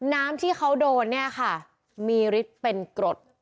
น้ำที่เขาโดนเนี่ยค่ะมีฤทธิ์เป็นกรด